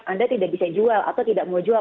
anda tidak bisa jual atau tidak mau jual